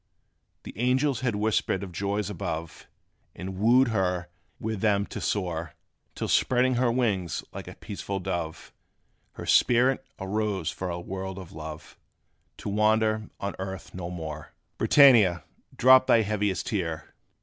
The angels had whispered of joys above, And wooed her with them to soar, Till spreading her wings like a peaceful dove, Her spirit arose for a world of love To wander on earth no more. BRITANNIA, drop thy heaviest tear!